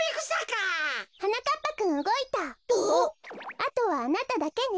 あとはあなただけね。